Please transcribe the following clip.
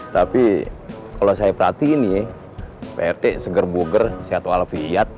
tapi kalau saya perhatiin nih prt seger buger sehat walafiat